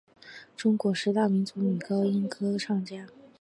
中国十大民族女高音歌唱家。